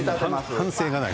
反省がない。